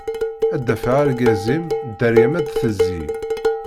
Ad d-afeɣ argaz-im, dderya-m ad d-tezzi...